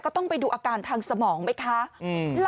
ต้องไปดูอาการทางสมองไหมคะ